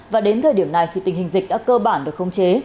và đến thời điểm này thì tình hình dịch đã cơ bản được không chế